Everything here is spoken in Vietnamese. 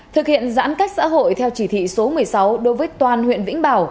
thực hiện giãn cách xã hội theo chỉ thị số một mươi sáu đối với toàn huyện vĩnh bảo